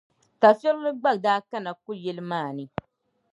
Tafirili gba daa kana ku'yili maa ni.